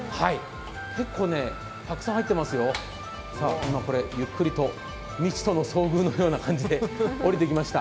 結構たくさん入ってますよ、今、これゆっくりと未知との遭遇のような感じで降りてきました。